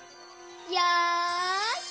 よし！